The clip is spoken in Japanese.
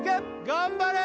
頑張れ！